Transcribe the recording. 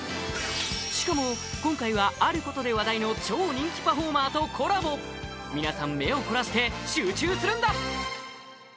しかも今回はあることで話題の超人気パフォーマーとコラボ皆さん目を凝らして集中するんだ！